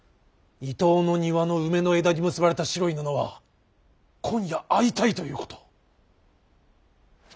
伊東の庭の梅の枝に結ばれた白い布は今夜会いたいということ。